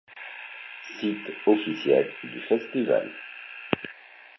Site officiel du Festival.